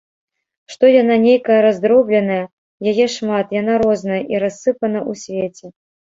Што яна нейкая раздробненая, яе шмат, яна розная, і рассыпана ў свеце.